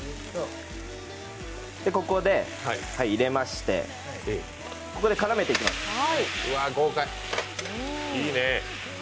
ここで入れまして、ここで絡めていきます。